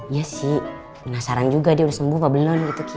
ya sih penasaran juga dia udah sembuh apa belum gitu